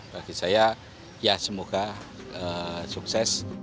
bagi saya ya semoga sukses